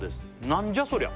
何じゃ